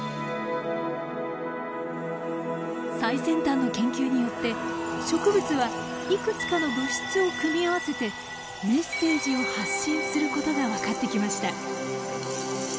最先端の研究によって植物はいくつかの物質を組み合わせてメッセージを発信することが分かってきました。